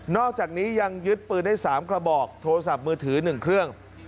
อกจากนี้ยังยึดปืนได้๓กระบอกโทรศัพท์มือถือ๑เครื่อง